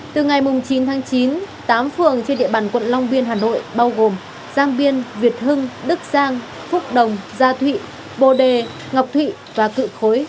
từ ngày chín tháng chín tám phường trên địa bàn quận long biên hà nội bao gồm giang biên việt hưng đức giang phúc đồng gia thụy bồ đề ngọc thụy và cự khối